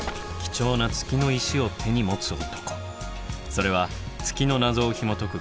それは月の謎をひもとく